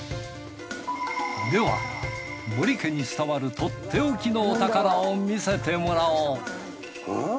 では森家に伝わるとっておきのお宝を見せてもらおうん？